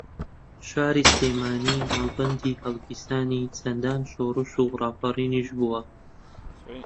شاری سلێمانی مەڵبەندی ھەڵگیرسانی چەندان شۆڕش و ڕاپەڕینیش بووە